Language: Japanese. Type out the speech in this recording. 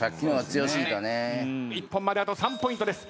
一本まであと３ポイントです。